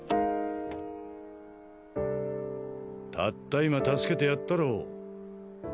たった今助けてやったろう。